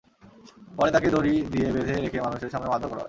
পরে তাঁকে দড়ি দিয়ে বেঁধে রেখে মানুষের সামনে মারধর করা হয়।